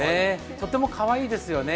とってもかわいいですよね。